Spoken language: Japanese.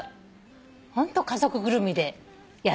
ホント家族ぐるみでやっております。